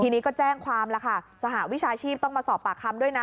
ทีนี้ก็แจ้งความแล้วค่ะสหวิชาชีพต้องมาสอบปากคำด้วยนะ